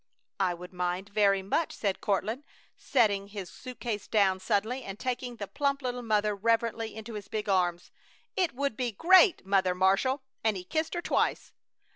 "I would mind very much," said Courtland, setting his suit case down suddenly and taking the plump little mother reverently into his big arms. "It would be great, Mother Marshall," and he kissed her twice.